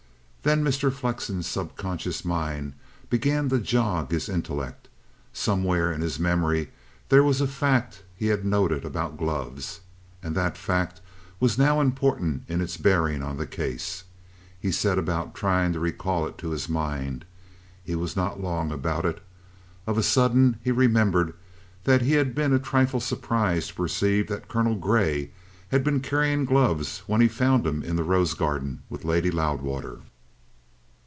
Then Mr. Flexen's sub conscious mind began to jog his intellect. Somewhere in his memory there was a fact he had noted about gloves, and that fact was now important in its bearing on the case. He set about trying to recall it to his mind. He was not long about it. Of a sudden he remembered that he had been a trifle surprised to perceive that Colonel Grey had been carrying gloves when he had found him in the rose garden with Lady Loudwater.